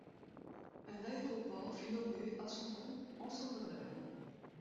Un aéroport fut nommé à son nom, en son honneur.